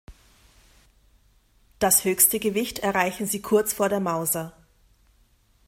Das höchste Gewicht erreichen sie kurz vor der Mauser.